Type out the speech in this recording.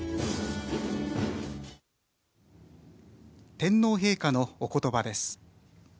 天皇陛下のおことばです。